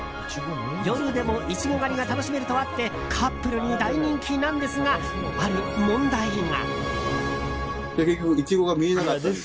夜でもイチゴ狩りが楽しめるとあってカップルに大人気なんですがある問題が。